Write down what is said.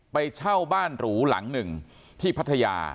ไปเช่าบ้านหรูหลังหนึ่งที่พัทยา